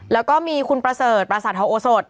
แล้วก็มีคุณประเสริฐประสาททองโอสด